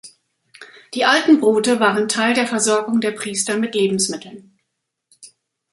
Die alten Brote waren Teil der Versorgung der Priester mit Lebensmitteln.